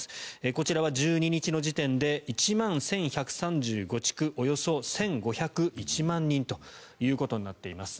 こちらは１２日の時点で１万１１３５地区およそ１５０１万人ということになっています。